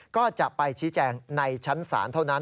ก็จะไปชี้แจงในชั้นศาลเท่านั้น